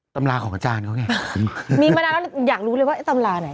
ตำลาของอาจารย์เขาเนี่ยบ๊วยก็รึเปล่าอยากรู้เลยว่าตำลาไหน